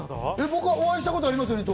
僕はお会いしたこと、当然ありますよね？